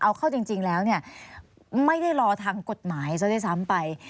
เอาเข้าจริงแล้วเนี่ยไม่ได้รอทางกฎหมายซะด้วยซ้ำไป